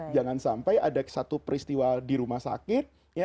jangan sampai ada satu peristiwa di rumah sakit